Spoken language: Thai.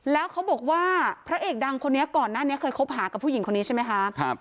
แล้วเขาบอกว่าพระเอกดังคนนี้ก่อนหน้านี้เคยคบหากับผู้หญิงคนนี้ใช่ไหมคะ